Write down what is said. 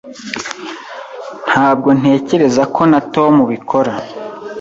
Ntabwo ntekereza ko na Tom bikora.